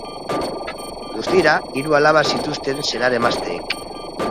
Guztira, hiru alaba zituzten senar-emazteek.